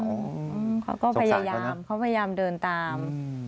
เขาก็พยายามเขาพยายามเดินตาม